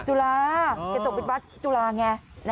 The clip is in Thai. จุลากระจกพิทวรรษจุลาไง